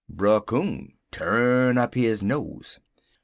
"Brer Coon tu'n up his nose.